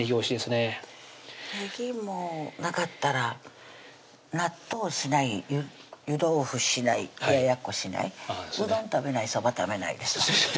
ねぎもなかったら納豆しない湯豆腐しない冷ややっこしないうどん食べないそば食べないです